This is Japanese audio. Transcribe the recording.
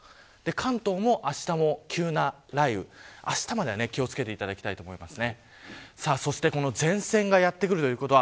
関東もあしたは急な雷雨あしたまでは気を付けてほしいと思います。